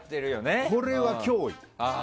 これは脅威。